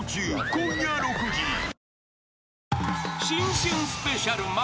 ［新春スペシャル。